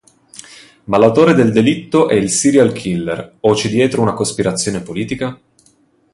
Ma l'autore del delitto è il serial killer o c'è dietro una cospirazione politica?